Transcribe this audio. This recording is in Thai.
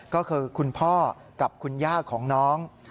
ก็คือคุณพ่อกับคุณย่าของน้อง